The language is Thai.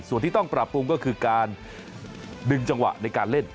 ส่วนที่ต้องปรับปรุงก็คือการดึงจังหวะในการเล่น